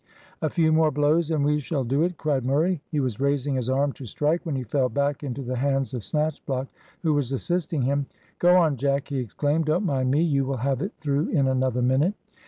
"A few more blows, and we shall do it," cried Murray. He was raising his arm to strike, when he fell back into the hands of Snatchblock, who was assisting him. "Go on, Jack," he exclaimed. "Don't mind me; you will have it through in another minute."